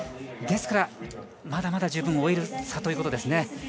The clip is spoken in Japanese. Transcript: ですから、まだまだ十分に追える差ということですね。